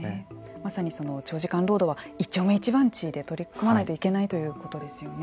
まさに長時間労働は一丁目一番地で取り組まないといけないということですよね。